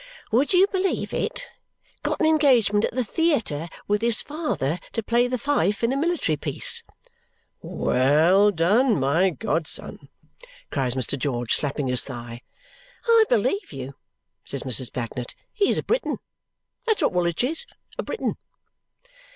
"Would you believe it? Got an engagement at the theayter, with his father, to play the fife in a military piece." "Well done, my godson!" cries Mr. George, slapping his thigh. "I believe you!" says Mrs. Bagnet. "He's a Briton. That's what Woolwich is. A Briton!"